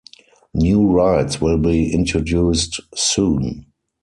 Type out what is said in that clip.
New rides will be introduced soon.